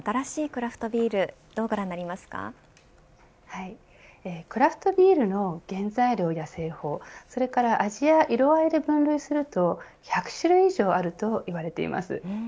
クラフトビールの原材料や製法それから味や色合いで分類すると１００種類以上あると言われています。